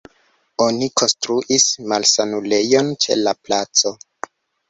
Oni konstruis malsanulejon ĉe la placo.